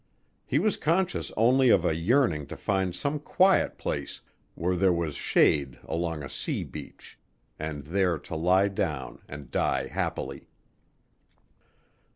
He was conscious only of a yearning to find some quiet place where there was shade along a sea beach, and there to lie down and die happily.